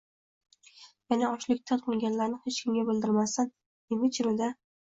Ya’ni ochlikdan o‘lganlarni hech kimga bildirmasdan... imi-jimida...